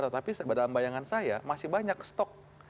tetapi dalam bayangan saya masih banyak stok